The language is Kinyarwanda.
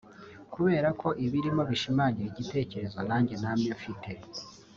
Kubera ko ibirimo bishimangira igitekerezo nanjye namye mfite